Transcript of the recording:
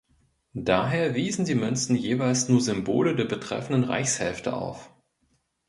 Daher wiesen die Münzen jeweils nur Symbole der betreffenden „Reichshälfte“ auf.